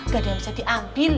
gak ada yang bisa diambil